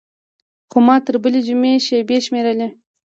خو ما تر بلې جمعې شېبې شمېرلې.